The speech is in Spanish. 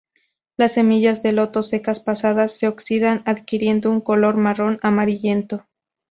Las semillas de loto secas pasadas se oxidan adquiriendo un color marrón amarillento.